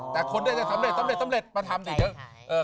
แต่คนเนี่ยสำเร็จสำเร็จมาทำชัยฮาย